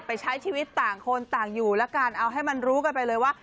ใช้ชีวิตต่างคนต่างอยู่แล้วกันเอาให้มันรู้กันไปเลยว่า